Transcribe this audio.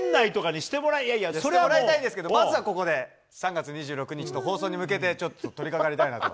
してもらいたいですけど、まずはここで、３月２６日の放送に向けて、ちょっと取りかかりたいなと。